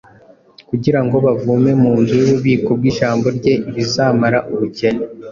kugira ngo bavome mu nzu y’ububiko bw’ijambo rye ibizamara ubukene.